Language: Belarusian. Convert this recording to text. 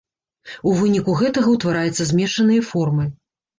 У выніку гэтага ўтвараецца змешаныя формы.